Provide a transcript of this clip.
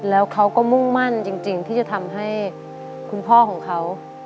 แล้วเขาก็มุ่งมั่นจริงที่จะทำให้คุณพ่อของเขา